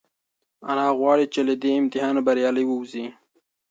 انا غواړي چې له دې امتحانه بریالۍ ووځي.